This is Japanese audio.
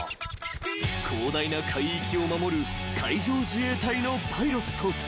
［広大な海域を守る海上自衛隊のパイロット］